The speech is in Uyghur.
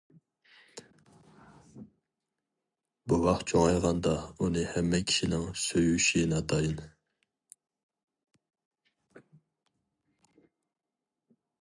بوۋاق چوڭايغاندا ئۇنى ھەممە كىشىنىڭ سۆيۈشى ناتايىن.